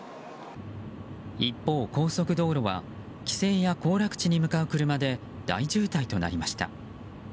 一方、高速道路は帰省や行楽地に向かう車で大渋滞となりました。